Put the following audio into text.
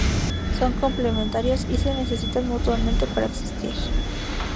Son complementarios y se necesitan mutuamente para existir.